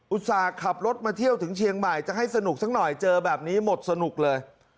ต่าขับรถมาเที่ยวถึงเชียงใหม่จะให้สนุกสักหน่อยเจอแบบนี้หมดสนุกเลย